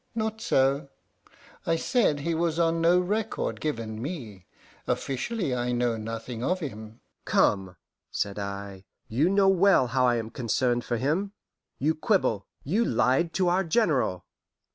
"Not so. I said he was on no record given me. Officially I know nothing of him." "Come," said I, "you know well how I am concerned for him. You quibble; you lied to our General."